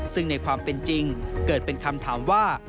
ซึ่งในความเป็นจริงเกิดเป็นคำถามว่า